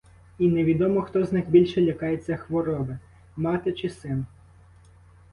І невідомо, хто з них більше лякається хвороби, мати, чи син.